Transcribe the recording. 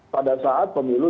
pada saat pemilu